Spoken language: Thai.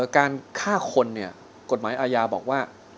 การฆ่าคนเนี่ยกฎหมายอาญาบอกว่า